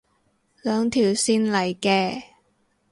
兩條線嚟嘅